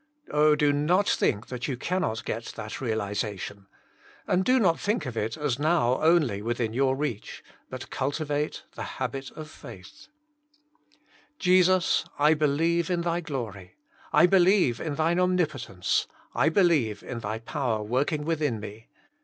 Oh, do not think you cannot get that Jesus Himself. 65 realization. And do not think of it as now only within your reach ; but culti vate the habit of f aithr. Jesus, I be lieve in Thy glory; I believe in Thine omnipotence; I believe in Thy power working within me.